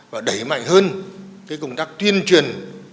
và đẩy mạnh hơn cái công tác tuyên truyền